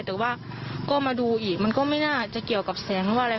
แต่ว่าก็มาดูอีกมันก็ไม่น่าจะเกี่ยวกับแสงหรือว่าอะไร